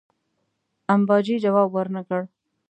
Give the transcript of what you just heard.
امباجي جواب ورنه کړ.